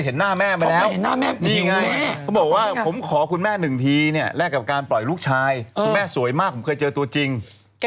เป็นจังคต์อยู่เป็นเป็นต้องตามจับให้ได้นะ